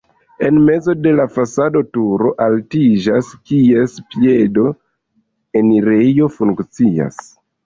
En mezo de la fasado turo altiĝas, kies piedo enirejo funkcias.